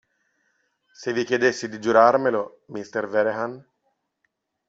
Se vi chiedessi di giurarmelo, mister Vehrehan?